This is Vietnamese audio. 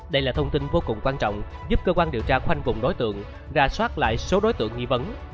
đây là thông tin vô cùng quan trọng giúp cơ quan điều tra khoanh vùng đối tượng ra soát lại số đối tượng nghi vấn